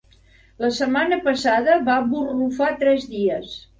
La setmana passada va borrufar tres dies.